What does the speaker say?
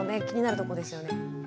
気になるとこですよね。